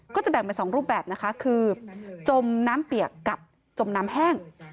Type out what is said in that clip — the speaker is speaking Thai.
ก็จะแบ่งเป็น๒รูปแบบนะคะคือจมน้ำเปียกกับจมน้ำแห้ง